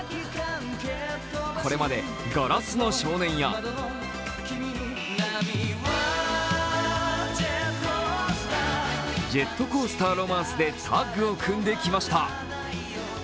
これまで「硝子の少年」や、「ジェットコースター・ロマンス」でタッグを組んできました。